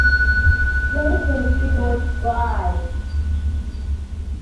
Julie is the widowed bride.